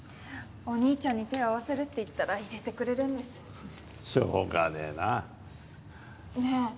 お兄ちゃんに手を合わせるって言ったら入れてくれるんですしょうがねえなねえ